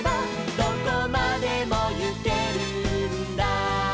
「どこまでもゆけるんだ」